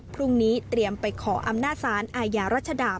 พรุ่งนี้เตรียมไปขออำนาจสารอาญารัชดา